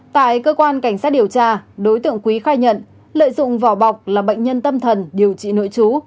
tại cơ quan cảnh sát điều tra đối tượng quý khai nhận lợi dụng vỏ bọc là bệnh nhân tâm thần điều trị nội chú